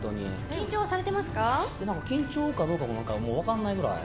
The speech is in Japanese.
緊張かどうかも分かんないぐらい。